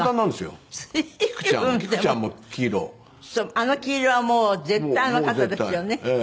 あの黄色はもう絶対あの方ですよね。